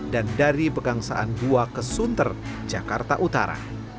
dan dari pegang saan dua ke sunter jakarta utara